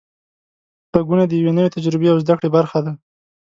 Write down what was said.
غږونه د یوې نوې تجربې او زده کړې برخه ده.